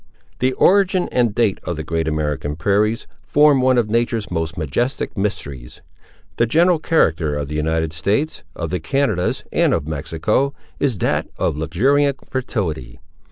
The origin and date of the Great American Prairies form one of natures most majestic mysteries. The general character of the United States, of the Canadas, and of Mexico, is that of luxuriant fertility.